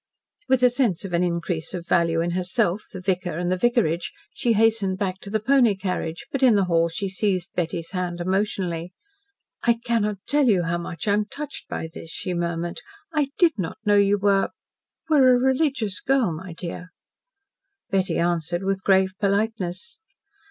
With a sense of an increase of value in herself, the vicar, and the vicarage, she hastened back to the pony carriage, but in the hall she seized Betty's hand emotionally. "I cannot tell you how much I am touched by this," she murmured. "I did not know you were were a religious girl, my dear." Betty answered with grave politeness.